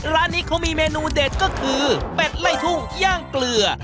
ร้านนี้เขามีเมนูเด็ดก็คือเป็ดไล่ทุ่งย่างเกลือ